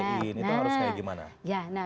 itu harus kayak gimana